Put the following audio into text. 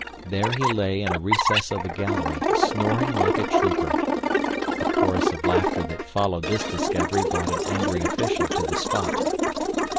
There he lay in a recess of the gallery, snoring like a trooper! The chorus of laughter that followed this discovery brought an angry official to the spot.